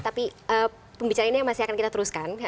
tapi pembicaraan ini masih akan kita teruskan